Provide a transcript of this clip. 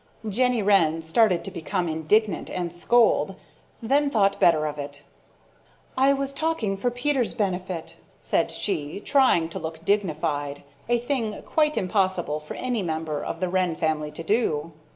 Jenny Wren started to become indignant and scold, then thought better of it. "I was talking for Peter's benefit," said she, trying to look dignified, a thing quite impossible for any member of the Wren family to do.